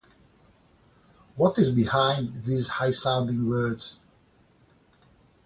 What is behind these high-sounding words?